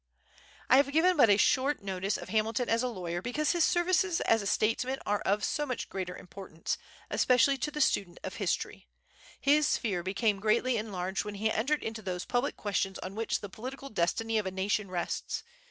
I have given but a short notice of Hamilton as a lawyer, because his services as a statesman are of so much greater importance, especially to the student of history. His sphere became greatly enlarged when he entered into those public questions on which the political destiny of a nation rests.